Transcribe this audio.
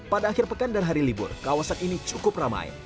pada akhir pekan dan hari libur kawasan ini cukup ramai